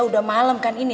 udah malem kan ini